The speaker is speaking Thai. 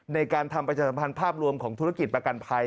ในการทำประจำทางภาพรวมของธุรกิจประกันภัย